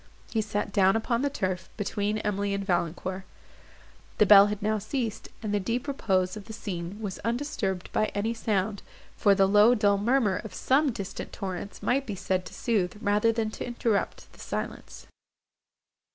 He sat down upon the turf, between Emily and Valancourt. The bell had now ceased, and the deep repose of the scene was undisturbed by any sound, for the low dull murmur of some distant torrents might be said to sooth, rather than to interrupt, the silence.